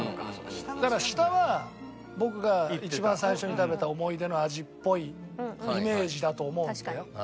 だから下は僕が一番最初に食べた思い出の味っぽいイメージだと思うんだよ。